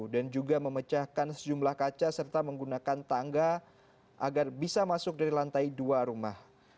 dan juga memecahkan sejumlah kaca serta menggunakan tangga agar bisa masuk dari lantai dua rumah